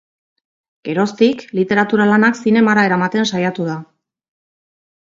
Geroztik, literatura-lanak zinemara eramaten saiatu da.